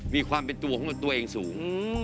มีความเป็นตัวของตัวเองสูง